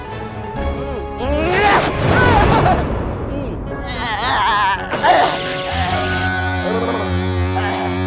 tunggu tunggu tunggu